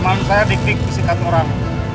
mama saya di klik disikat orang